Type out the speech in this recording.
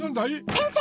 先生！